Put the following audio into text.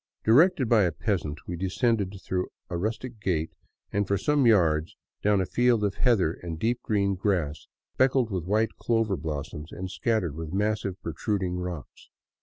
Directed by a peasant, we descended through a rustic gate and for some yards down a field of heather and deep green grass speckled with white clover blossoms and scattered with massive protruding rocks.